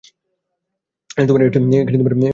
এটা খুবই বিপদজনক।